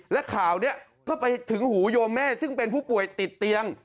และข่าวนี้ก็ไปถึงหูโยเม่ซึ่งเป็นผู้ป่วยติดเตียง